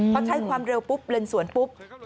พอใช้ความเร็วเรนสวนปุ๊บ